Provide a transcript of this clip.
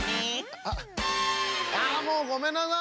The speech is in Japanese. あっあもうごめんなさい。